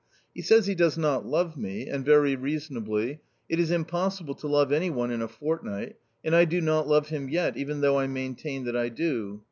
He says he does not love me — and very reasonably ; it is impossible to love any one in a fortnight, and I do not love him yet, even though I maintain that I do."